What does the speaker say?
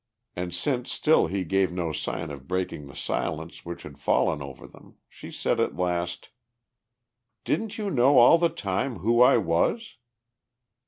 And since still he gave no sign of breaking the silence which had fallen over them, she said at last: "Didn't you know all the time who I was?"